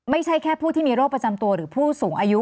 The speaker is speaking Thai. ไม่ใช่แค่ผู้ที่มีโรคประจำตัวหรือผู้สูงอายุ